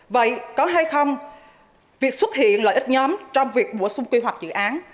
vậy có hay không việc xuất hiện lợi ích nhóm trong việc bổ sung quy hoạch dự án